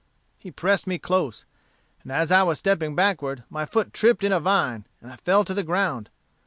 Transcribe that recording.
He pressed me close, and as I was stepping backward my foot tripped in a vine, and I fell to the ground.